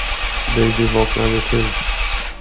Baby vaknade till.